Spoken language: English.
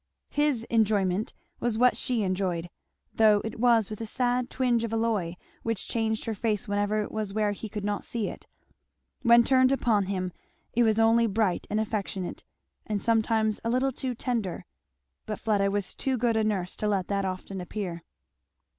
His enjoyment was what she enjoyed, though it was with a sad twinge of alloy which changed her face whenever it was where he could not see it; when turned upon him it was only bright and affectionate, and sometimes a little too tender; but Fleda was too good a nurse to let that often appear.